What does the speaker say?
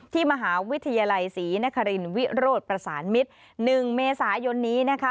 ที่มหาวิทยาลัยศรีนครินวิโรธประสานมิตร๑เมษายนนี้นะคะ